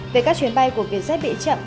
về các chuyến bay của vietjet bị chậm